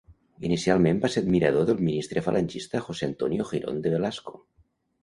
Inicialment va ser admirador del ministre falangista José Antonio Girón de Velasco.